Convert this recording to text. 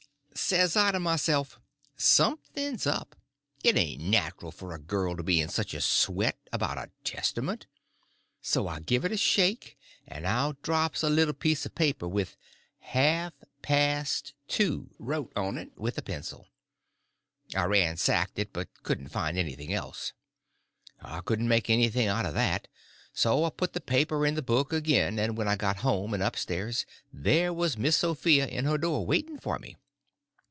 Says I to myself, something's up; it ain't natural for a girl to be in such a sweat about a Testament. So I give it a shake, and out drops a little piece of paper with "Half past two" wrote on it with a pencil. I ransacked it, but couldn't find anything else. I couldn't make anything out of that, so I put the paper in the book again, and when I got home and upstairs there was Miss Sophia in her door waiting for me.